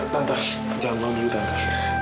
tante jangan maul dulu tante